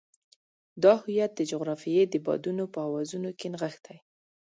دا هویت د جغرافیې د بادونو په اوازونو کې نغښتی.